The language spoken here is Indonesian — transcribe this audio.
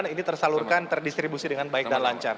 ini tersalurkan terdistribusi dengan baik dan lancar